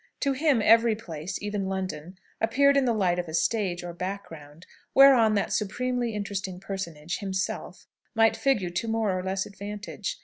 To him every place, even London, appeared in the light of a stage or background, whereon that supremely interesting personage, himself, might figure to more or less advantage.